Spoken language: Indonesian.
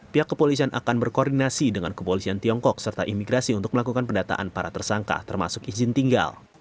pihak kepolisian akan berkoordinasi dengan kepolisian tiongkok serta imigrasi untuk melakukan pendataan para tersangka termasuk izin tinggal